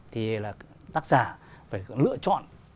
thì là tác giả phải lựa chọn